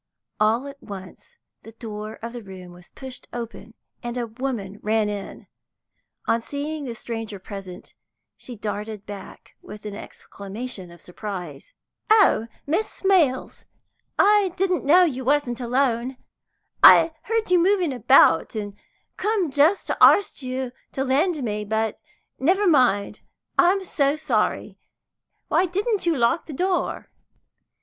All at once the door of the room was pushed open, and a woman ran in. On seeing the stranger present, she darted back with an exclamation of surprise. "Oh, Miss Smales, I didn't know as you wasn't alone! I heard you moving about, and come just to arst you to lend me but never mind, I'm so sorry; why didn't you lock the door?"